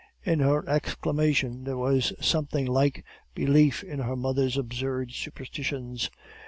"In her exclamation there was something like belief in her mother's absurd superstitions.